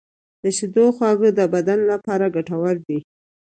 د شیدو خواږه د بدن لپاره ګټور دي.